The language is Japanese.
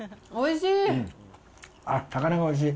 おいしい。